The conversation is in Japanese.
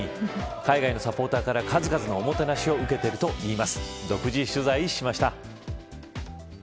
海外のサポーターから数々のおもてなしを受けているといいます。